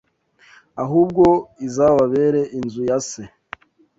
Ahubwo izababera inzu ya Se,